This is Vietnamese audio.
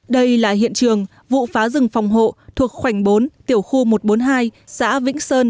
đây là hiện trường vụ phá rừng phòng hộ thuộc khoảnh bốn tiểu khu một trăm bốn mươi hai xã vĩnh sơn